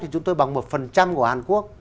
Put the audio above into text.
thì chúng tôi bằng một phần trăm của hàn quốc